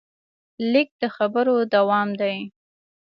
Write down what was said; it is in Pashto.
لیک د خبرو دوام دی.